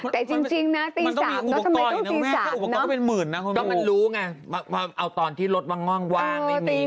แต่จริงนะตี๓ทำไมต้องตี๓เนอะมันรู้ไงเอาตอนที่รถว่างว่างไม่มี